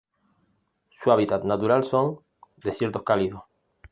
Su hábitat natural son: desiertos cálidos.